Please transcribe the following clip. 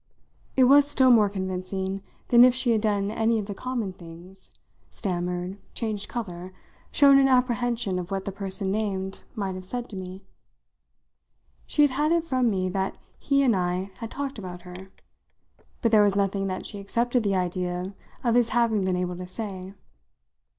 It was still more convincing than if she had done any of the common things stammered, changed colour, shown an apprehension of what the person named might have said to me. She had had it from me that he and I had talked about her, but there was nothing that she accepted the idea of his having been able to say.